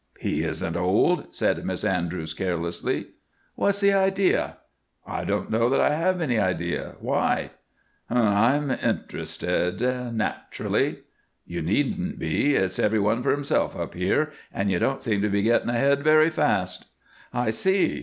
"He isn't old," said Miss Andrews, carelessly. "What's the idea?" "I don't know that I have any idea. Why?" "Humph! I'm interested naturally." "You needn't be. It's every one for himself up here, and you don't seem to be getting ahead very fast." "I see.